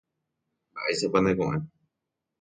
Mba'éichapa neko'ẽ.